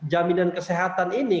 jaminan kesehatan ini